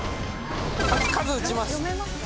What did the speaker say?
数打ちます。